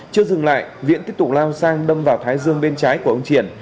chưa dừng lại viễn tiếp tục lao sang đâm vào thái dương bên trái của ông triển